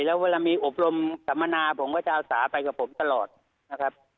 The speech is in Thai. แล้วเวลามีอบรมสัมมนาผมก็จะเอาสาไปกับผมตลอดนะครับ